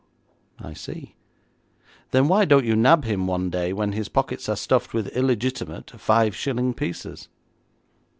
'I see. Then why don't you nab him one day when his pockets are stuffed with illegitimate five shilling pieces?'